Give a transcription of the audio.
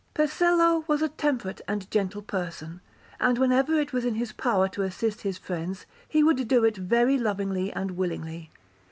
Pesello was a temperate and gentle person; and whenever it was in his power to assist his friends, he would do it very lovingly and willingly.